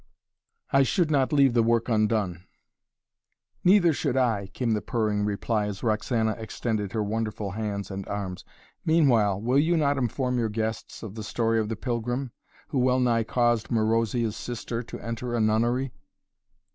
"I should not leave the work undone!" "Neither should I," came the purring reply, as Roxana extended her wonderful hands and arms. "Meanwhile will you not inform your guests of the story of the pilgrim, who wellnigh caused Marozia's sister to enter a nunnery?"